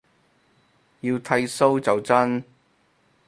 要剃鬚就真